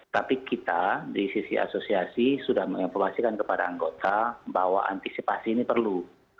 tapi kita di sisi asosiasi sudah menginformasikan kepada anggota bahwa antisipasi ini perlu